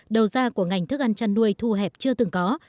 đầu ra của ngành thức ăn chăn nuôi thu hẹp chưa từng có